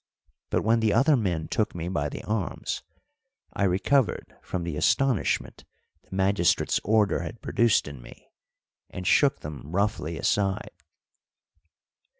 But when the other men took me by the arms, I recovered from the astonishment the magistrate's order had produced in me, and shook them roughly aside.